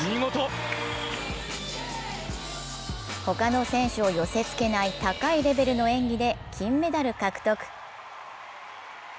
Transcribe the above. ほかの選手を寄せつけない高いレベルの演技で金メダル獲得。